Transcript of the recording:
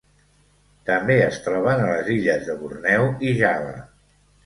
També es troben a les illes de Borneo i Java.